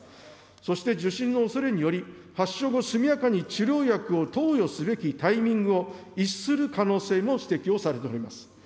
そして受診のおそれにより、発症後速やかに治療薬を投与すべきタイミングを逸する可能性も指摘をされております。